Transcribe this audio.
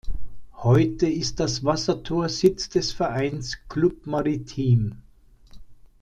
Heute ist das Wassertor Sitz des Vereins "Club maritim".